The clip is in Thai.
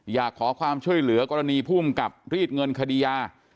อยากขอความช่วยเหลือกรณีภูมิกับรีดเงินคดียา